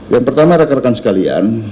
yang pertama rekan rekan sekalian